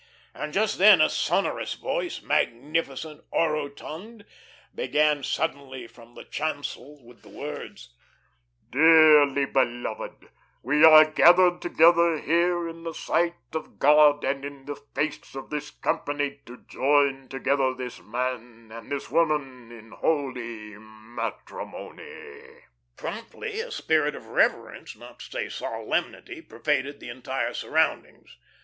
And just then a sonorous voice, magnificent, orotund, began suddenly from the chancel with the words: "Dearly beloved, we are gathered together here in the sight of God, and in the face of this company to join together this Man and this Woman in holy matrimony." Promptly a spirit of reverence, not to say solemnity, pervaded the entire surroundings.